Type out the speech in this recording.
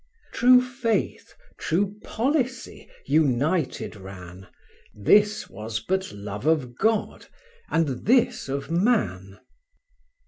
True faith, true policy, united ran, This was but love of God, and this of man.